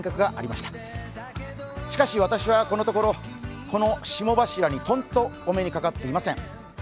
しかし私はこのところ、この霜柱にとんとお目にかかっていません。